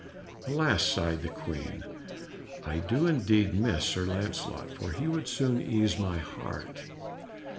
"Alas!" sighed the Queen, "I do indeed miss Sir Lancelot, for he would soon ease my heart."